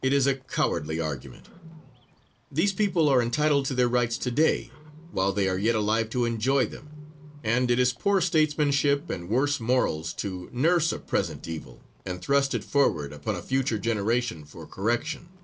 It is a cowardly argument. These people are entitled to their rights to day, while they are yet alive to enjoy them; and it is poor statesmanship and worse morals to nurse a present evil and thrust it forward upon a future generation for correction.